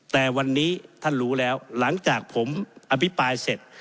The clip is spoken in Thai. แต่วันนี้ท่านรู้แล้วหลังจากผมอภิปรายเสร็จ